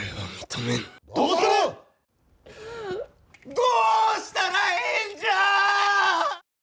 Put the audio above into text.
どうしたらええんじゃあ！